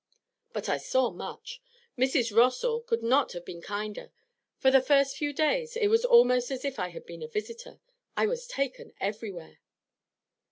'But I saw much. Mrs. Rossall could not have been kinder; for the first few days it was almost as if I had been a visitor; I was taken everywhere.'